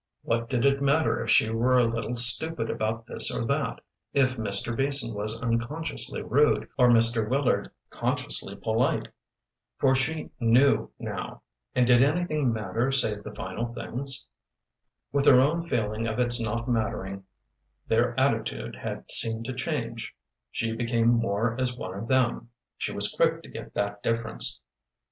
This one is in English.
What did it matter if she were a little stupid about this or that, if Mr. Beason was unconsciously rude or Mr. Willard consciously polite? For she knew now and did anything matter save the final things? With her own feeling of its not mattering their attitude had seemed to change; she became more as one with them she was quick to get that difference.